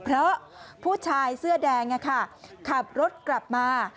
เพราะผู้ชายเสื้อแดงขับรถกลับมา